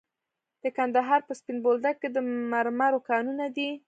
د کندهار په سپین بولدک کې د مرمرو کانونه دي.